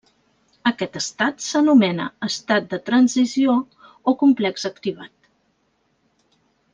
Aquest estat s'anomena estat de transició o complex activat.